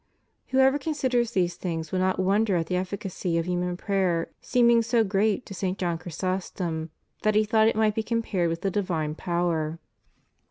* Whoever considers these things will not wonder at the efiicacy of human prayer seeming so great to St. John Chrysostom that he thought it might be compared with the divine power.